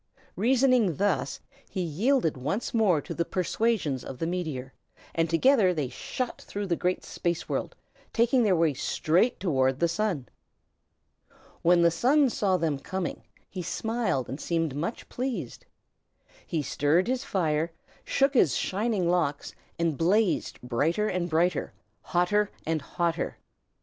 Reasoning thus, he yielded once more to the persuasions of the meteor, and together they shot through the great space world, taking their way straight toward the Sun. When the Sun saw them coming, he smiled and seemed much pleased. He stirred his fire, and shook his shining locks, and blazed brighter and brighter, hotter and hotter.